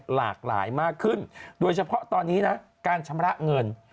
หลากหลายมากขึ้นโดยเฉพาะตอนนี้นะการชำระเงิน